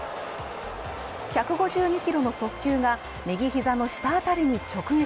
１５２キロの速球が右膝の下あたりに直撃